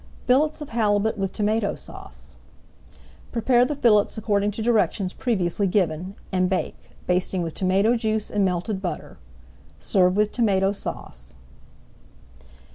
FILLETS OF HALIBUT WITH TOMATO SAUCE Prepare the fillets according to directions previously given, and bake, basting with tomato juice and melted butter. Serve with Tomato Sauce.